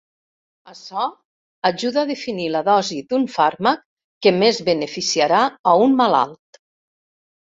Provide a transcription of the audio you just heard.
Açò ajuda a definir la dosi d'un fàrmac que més beneficiarà a un malalt.